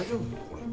これ。